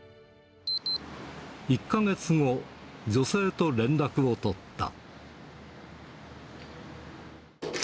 １か月後、女性と連絡を取った。